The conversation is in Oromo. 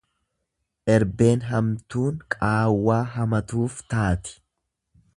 Erbeen hamtuun qaawwaa hamatuuf taati.